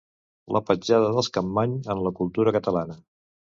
La petjada dels Capmany en la cultura catalana.